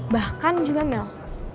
bahkan juga mel